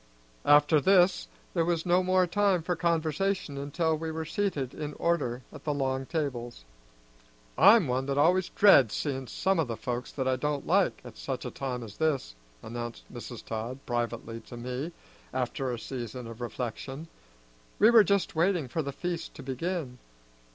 After this there was no more time for conversation until we were seated in order at the long tables. "I'm one that always dreads seeing some o' the folks that I don't like, at such a time as this," announced Mrs. Todd privately to me after a season of reflection. We were just waiting for the feast to begin.